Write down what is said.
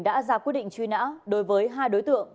đã ra quyết định truy nã đối với hai đối tượng